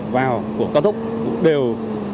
vào của cao tốc đều